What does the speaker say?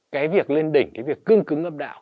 cái việc lên đỉnh cái việc cương cứng âm đạo